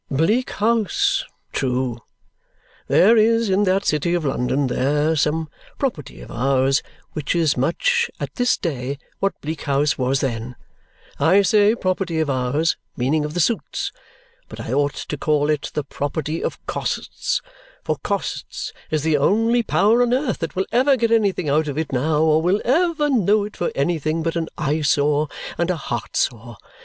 "Bleak House; true. There is, in that city of London there, some property of ours which is much at this day what Bleak House was then; I say property of ours, meaning of the suit's, but I ought to call it the property of costs, for costs is the only power on earth that will ever get anything out of it now or will ever know it for anything but an eyesore and a heartsore.